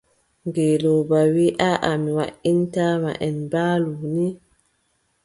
Ngeelooba wii: aaʼa mi waʼitaa ma, en mbaalu ni.